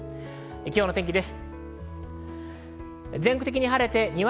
今日の天気です。